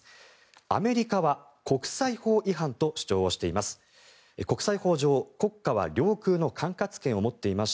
アメリカは国際法違反と主張をしています。